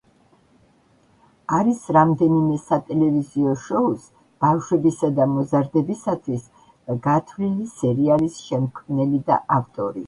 არის რამდენიმე სატელევიზიო შოუს, ბავშვებისა და მოზარდებისათვის გათვლილი სერიალის შემქმნელი და ავტორი.